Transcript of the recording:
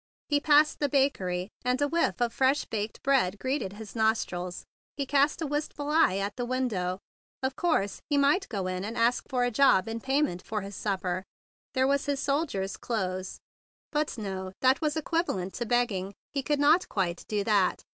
He passed the bakery, and a whiff of fresh baked bread greeted his nostrils. He cast a wistful eye at the window. Of course he might go in and ask for a job in payment for his supper. There were his soldier's clothes. But no. That was equivalent to begging. He could not quite do that.